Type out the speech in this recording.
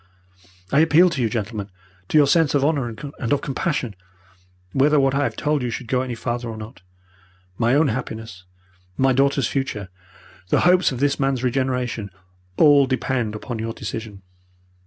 I appeal to you, gentlemen, to your sense of honour and of compassion, whether what I have told you should go any farther or not. My own happiness, my daughter's future, the hopes of this man's regeneration, all depend upon your decision.